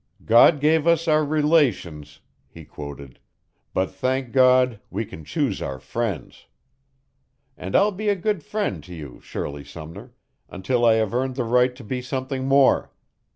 "'God gave us our relations,'" he quoted, "'but thank God, we can choose our friends.' And I'll be a good friend to you, Shirley Sumner, until I have earned the right to be something more.